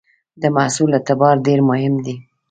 د محصول اعتبار ډېر مهم دی.